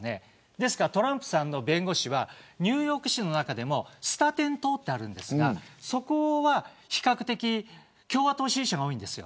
ですからトランプさんの弁護士はニューヨーク市の中でもスタテン島というのがあるんですがそこは比較的共和党支持者が多いんです。